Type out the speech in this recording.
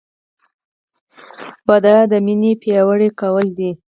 • واده د مینې پیاوړی کول دي.